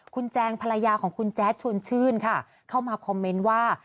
คุณแจงภรรยาของคุณแจ๊ดชวนชื่นค่ะเข้ามาคอมเมนต์ว่า